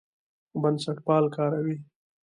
بنسټپال کاروي.